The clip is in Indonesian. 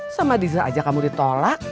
sama diza aja kamu ditolak